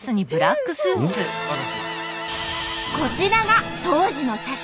こちらが当時の写真！